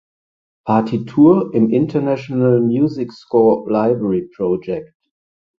Partitur im International Music Score Library Project